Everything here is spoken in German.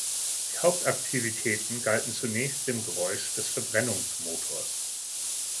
Die Hauptaktivitäten galten zunächst dem Geräusch des Verbrennungsmotors.